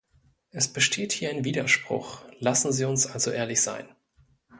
Es besteht hier ein Widerspruch, lassen Sie uns also ehrlich sein.